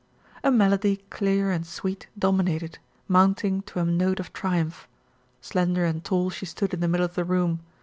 A melody clear and sweet dominated, mounting to a note of triumph. Slender and tall she stood in the middle of the room.